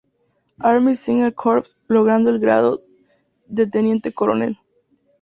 Army Signal Corps", logrando el grado de teniente coronel.